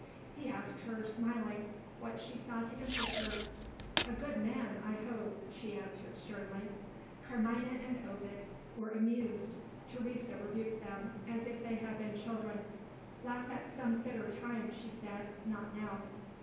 He asked her, smiling, what she saw to interest her. "A good man, I hope," she answered, sternly. Carmina and Ovid were amused. Teresa rebuked them, as if they had been children. "Laugh at some fitter time," she said, "not now."